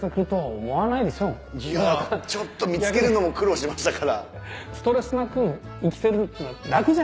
ちょっと見つけるのも苦労しましたから。